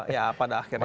ya pada akhirnya